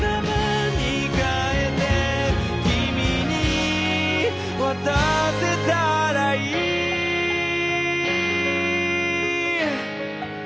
「君に渡せたらいい」